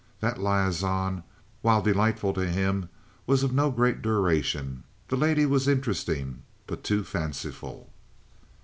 That liaison, while delightful to him, was of no great duration. The lady was interesting, but too fanciful.